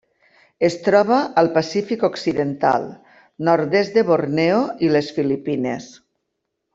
Es troba al Pacífic occidental: nord-est de Borneo i les Filipines.